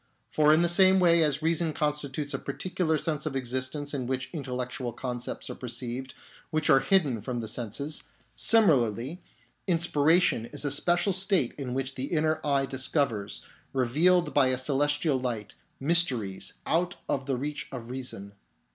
For in the same way as reason constitutes a particular phase of exist ence in which intellectual concepts are perceived NATURE OF INSPIRATION 53 which are hidden from the senses, similarly, in spiration is a special state in which the inner eye discovers, revealed by a celestial light, mysteries out of the reach of reason.